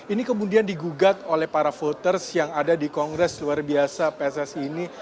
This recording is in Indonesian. ini kemudian digugat oleh para voters yang ada di kongres luar biasa pssi ini